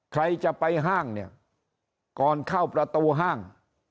ใครจะไปห้างเนี่ยก่อนเข้าประตูห้าง